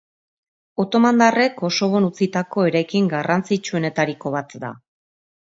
Otomandarrek Kosovon utzitako eraikin garrantzitsuenetariko bat da.